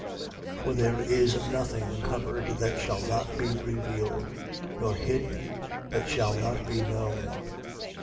12:2. For there is nothing covered that shall not be revealed: nor hidden that shall not be known.